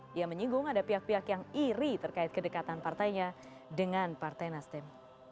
dia menyinggung ada pihak pihak yang iri terkait kedekatan partainya dengan partai nasdem